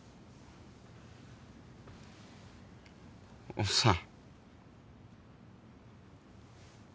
おっさん。